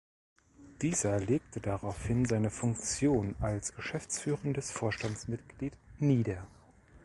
Dieser legte daraufhin seine Funktion als geschäftsführendes Vorstandsmitglied nieder.